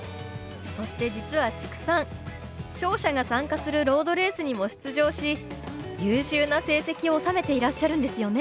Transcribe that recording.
そして実は知久さん聴者が参加するロードレースにも出場し優秀な成績を収めていらっしゃるんですよね？